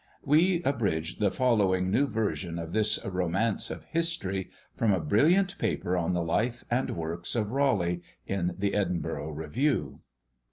We abridge the following new version of this "romance of history," from a brilliant paper on the life and works of Raleigh, in the Edinburgh Review.